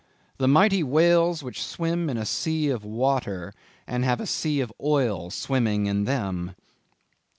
"The mighty whales which swim in a sea of water, and have a sea of oil swimming in them."